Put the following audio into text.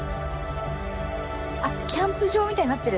キャンプ場みたいになってる。